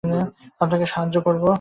আপনাকে সাহায্য করবো?